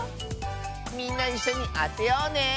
みんないっしょにあてようね。